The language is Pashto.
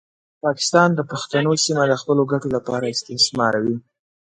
پاکستان د پښتنو سیمه د خپلو ګټو لپاره استثماروي.